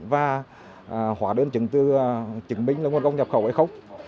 và hóa đơn chứng minh là nguồn gốc nhập khẩu hay không